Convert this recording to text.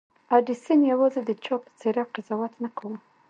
ايډېسن يوازې د چا په څېره قضاوت نه کاوه.